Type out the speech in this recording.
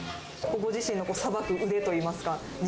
ご自身のさばく腕といいます